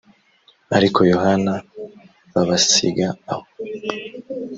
ariko yohana b abasiga aho